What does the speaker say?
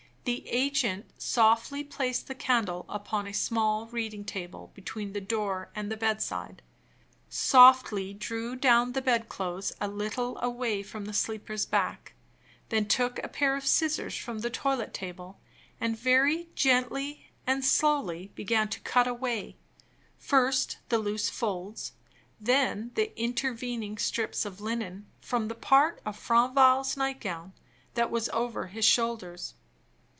The agent softly placed the candle upon a small reading table between the door and the bedside, softly drew down the bed clothes a little away from the sleeper's back, then took a pair of scissors from the toilet table, and very gently and slowly began to cut away, first the loose folds, then the intervening strips of linen, from the part of Franval's night gown that was over his shoulders.